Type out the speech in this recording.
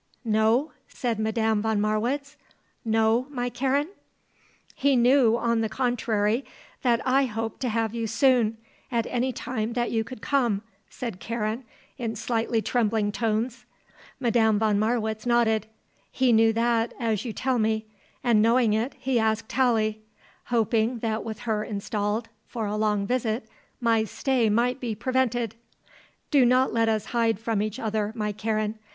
"No?" said Madame von Marwitz. "No, my Karen?" "He knew, on the contrary, that I hoped to have you soon at any time that you could come," said Karen, in slightly trembling tones. Madame von Marwitz nodded. "He knew that, as you tell me; and, knowing it, he asked Tallie; hoping that with her installed for a long visit my stay might be prevented. Do not let us hide from each other, my Karen.